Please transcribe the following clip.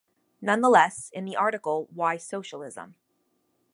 Nonetheless, in the article Why Socialism?